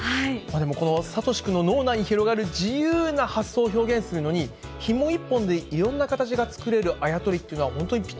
この聡志君の脳内に広がる自由な発想を表現するのに、ひも一本でいろんな形が作れるあや取りっていうのは、本当にぴっ